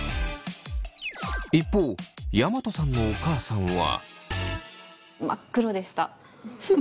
一方山戸さんのお母さんは。